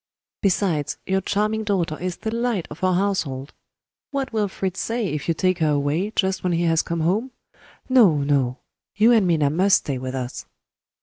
Besides, your charming daughter is the light of our household. What will Fritz say, if you take her away just when he has come home? No! no! you and Minna must stay with us."